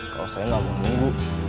kalau saya nggak mau nunggu